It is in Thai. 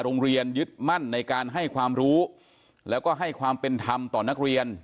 ยึดมั่นในการให้ความรู้แล้วก็ให้ความเป็นธรรมต่อนักเรียน